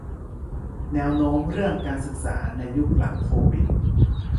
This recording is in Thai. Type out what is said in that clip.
แนวโน้มเรื่องการศึกษาในยุคหลังโควิด